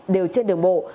đều trên đường bộ